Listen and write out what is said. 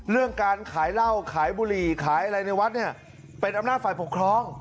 เรื่องการขายเหล้าขายบุหรี่ขายอะไรในวัดเนี่ยเป็นอำนาจฝ่ายปกครอง